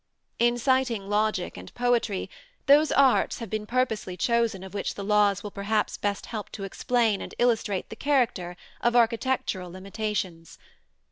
In citing logic and poetry, those arts have been purposely chosen of which the laws will perhaps best help to explain and illustrate the character of architectural limitations.